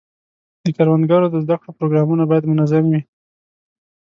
د کروندګرو د زده کړو پروګرامونه باید منظم وي.